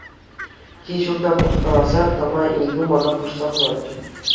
Кил-ҫурта пӑхкаласа тӑма инкӳ мана хушса хӑварчӗ.